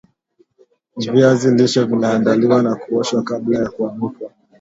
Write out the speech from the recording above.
viazi lishe vinaandaliwa kwa kuoshwa kabla ya kuanikwa